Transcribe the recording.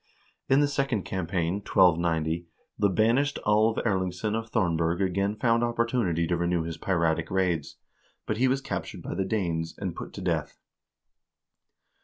In the second campaign, 129(), the banished Alv Erlingsson of Thomberg again found opportunity to renew his piratic raids, but he was captured by the Danes, and put to death.